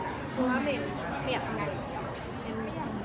เพราะว่าเมนเปลี่ยนยังไง